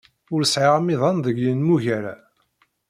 Ur sɛiɣ amiḍan deg yenmugar-a.